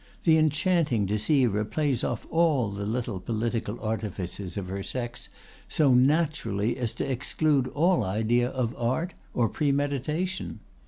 The enchanting deceiver plays off all the little political artifices of her sex so naturally as to exclude all idea of art or premeditation.